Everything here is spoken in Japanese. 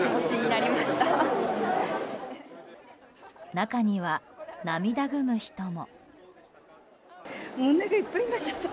中には、涙ぐむ人も。